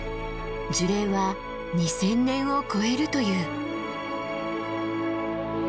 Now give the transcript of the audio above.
樹齢は２，０００年を超えるという。